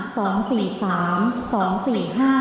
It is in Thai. ตอนที่๒๔ร้านที่๒๕